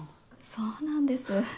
そうなんです。